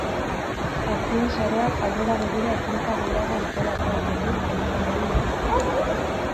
Hazien sareak aurrera begira ekintza gehiago antolatuak ditu gaztainari lotuta.